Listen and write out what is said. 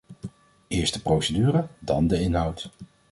Eerst de procedure, dan de inhoud.